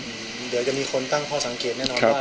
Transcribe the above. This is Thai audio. เดี๋ยวจะมีคนตั้งข้อสังเกตแน่นอนว่า